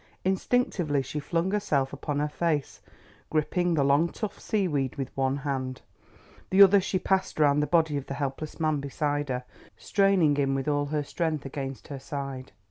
Instinctively she flung herself upon her face, gripping the long tough seaweed with one hand. The other she passed round the body of the helpless man beside her, straining him with all her strength against her side.